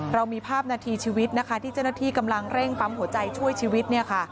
เรามีภาพนาทีชีวิตที่เจ้าหน้าที่กำลังเร่งป๊ามหัวใจช่วยชีวิต